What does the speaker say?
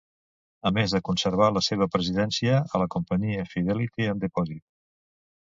A més de conservar la seva presidència a la Companyia Fidelity and Deposit.